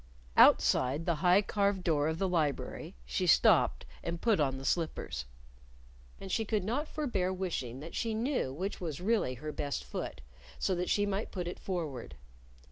Outside the high carved door of the library she stopped and put on the slippers. And she could not forbear wishing that she knew which was really her best foot, so that she might put it forward.